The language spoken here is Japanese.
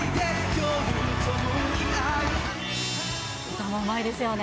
歌もうまいですよね。